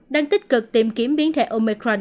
đang tích cực tìm kiếm biến thể omicron